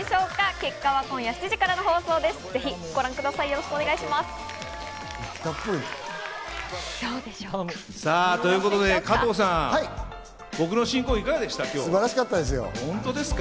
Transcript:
結果は今夜７時からの放送でご覧ください。ということで加藤さん、僕の進行はいかがでしたか？